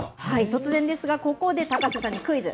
突然ですが、ここで高瀬さんにクイズ。